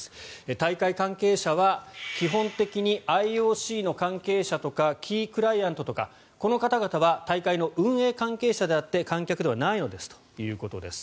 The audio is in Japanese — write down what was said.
大会関係者は基本的にＩＯＣの関係者とかキークライアントとかこの方々は大会の運営関係者であって観客ではないのですということです。